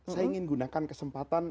saya ingin gunakan kesempatan